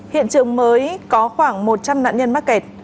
hiện trường mới có khoảng một trăm linh nạn nhân mắc kẹt